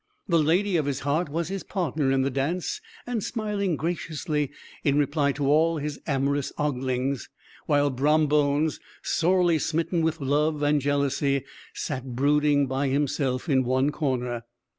the lady of his heart was his partner in the dance, and smiling graciously in reply to all his amorous oglings; while Brom Bones, sorely smitten with love and jealousy, sat brooding by himself in one corner.